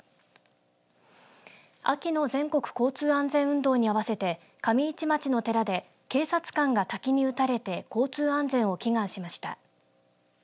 秋の全国交通安全運動に合わせて上市町の寺で警察官が滝に打たれて交通安全を祈願しました。